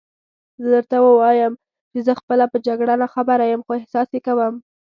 زه درته وایم چې زه خپله په جګړه ناخبره یم، خو احساس یې کوم.